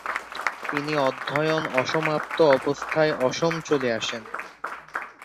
তিনি অধ্যয়ন অসমাপ্ত অবস্থায় অসম চলে আসেন।